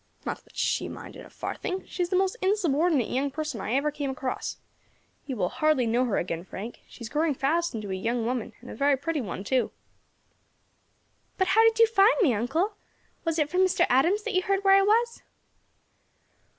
Not that she minded a farthing; she is the most insubordinate young person I ever came across. You will hardly know her again, Frank, she is growing fast into a young woman, and a very pretty one too." "But how did you find me, uncle? Was it from Mr. Adams that you heard where I was?"